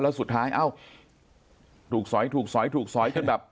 แล้วสุดท้ายเอ้าถูกสอยถูกสอยถูกสอยจนแบบ